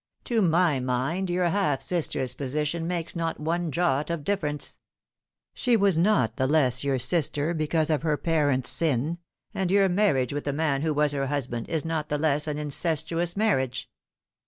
To my mind your half sister's position makes not one jot of difference. She was not the less your sister because of her parent's sin, and your marriage with the man who was her husband is not the less an incestuous marriage."